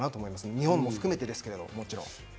日本も含めてですけど、もちろん。